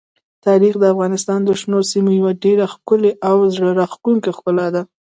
تاریخ د افغانستان د شنو سیمو یوه ډېره ښکلې او زړه راښکونکې ښکلا ده.